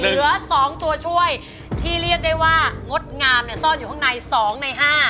เหลือ๒ตัวช่วยที่เรียกได้ว่างดงามซ่อนอยู่ข้างใน๒ใน๕